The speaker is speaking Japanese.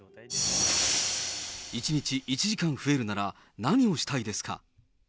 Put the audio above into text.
１日１時間増えるなら、何をしたいですか？